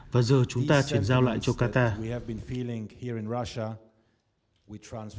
và giờ chúng ta chuyển giao lại cho các bạn